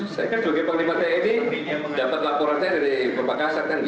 saya kan juga penglima te ini dapat laporan saya dari beberapa kasar kan gitu